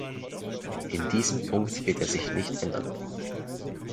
In diesem Punkt wird er sich nicht ändern.